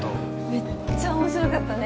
めっちゃ面白かったね